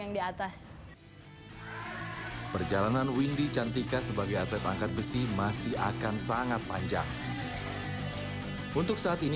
yang di atlet